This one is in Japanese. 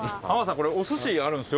これおすしあるんですよ。